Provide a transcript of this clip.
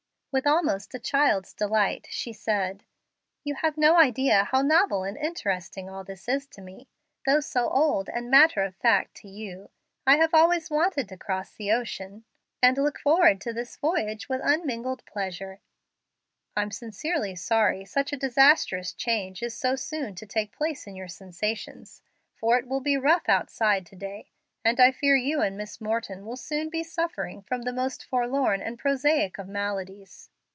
With almost a child's delight she said, "You have no idea how novel and interesting all this is to me, though so old and matter of fact to you. I have always wanted to cross the ocean, and look forward to this voyage with unmingled pleasure." "I'm sincerely sorry such a disastrous change is so soon to take place in your sensations, for it will be rough outside to day, and I fear you and Miss Morton will soon be suffering from the most forlorn and prosaic of maladies."